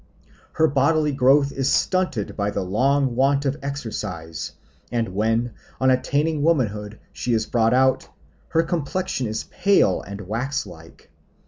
Her bodily growth is stunted by the long want of exercise, and when, on attaining womanhood, she is brought out, her complexion is pale and wax like.